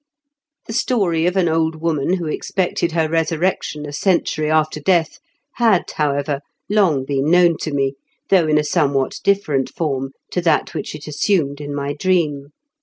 The story of an old woman who expected her resurrection a century after death had, however, long been known to me, though in a somewhat different form to that which it assumed in my dream.